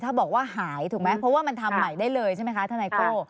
ถ้าบอกว่าหายถูกไหมเพราะว่ามันทำใหม่ได้เลยใช่ไหมคะทนายโก้